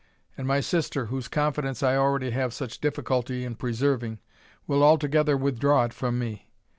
And my sister, whose confidence I already have such difficulty in preserving, will altogether withdraw it from me.